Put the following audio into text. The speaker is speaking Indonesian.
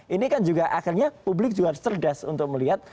ini kan juga akhirnya publik juga harus cerdas untuk melihat